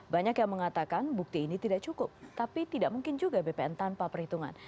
banyak yang mengatakan bukti ini tidak cukup tapi tidak mungkin juga bpn tanpa perhitungan